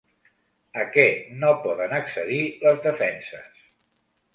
A què no poden accedir les defenses?